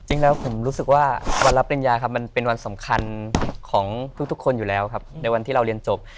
จริงแล้วผมรู้สึกว่าวันรับปริญญาครับมันเป็นวันสำคัญของทุกคนอยู่แล้วครับในวันที่เราเรียนจบ